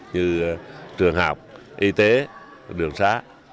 như trường học y tế đường xá